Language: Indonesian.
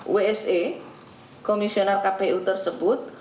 wse komisioner kpu tersebut